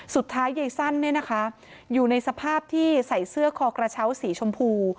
สุดท้ายยายสั้นเนี่ยนะคะอยู่ในสภาพที่ใส่เสื้อคอกระเช้าสีชมพู